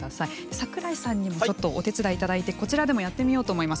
櫻井さんにもお手伝いいただいてこちらでもやってみようと思います。